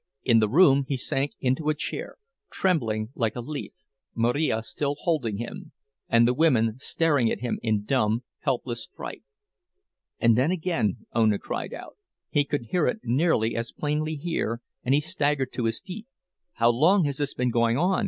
In the room he sank into a chair, trembling like a leaf, Marija still holding him, and the women staring at him in dumb, helpless fright. And then again Ona cried out; he could hear it nearly as plainly here, and he staggered to his feet. "How long has this been going on?"